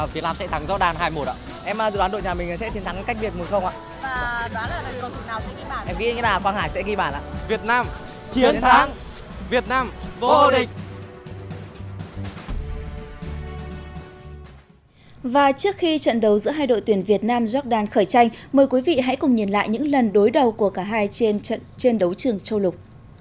và trước khi trận đấu giữa hai đội tuyển việt nam jordan khởi tranh mời quý vị hãy cùng nhìn lại những lần đối đầu của cả hai trên đấu trường châu lục